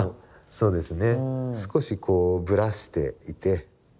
そうですね。